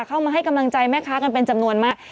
เข้ามาให้กำลังใจแม่ค้ากันเป็นจำนวนมาก